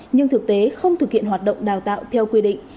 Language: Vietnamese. nhưng thực tế không thực hiện hoạt động đào tạo theo quy định